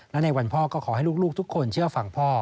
และในวันพ่อก็ขอให้ลูกทุกคนเชื่อฟังพ่อ